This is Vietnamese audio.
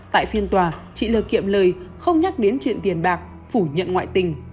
tại phiên tòa chị l kiệm lời không nhắc đến chuyện tiền bạc phủ nhận ngoại tình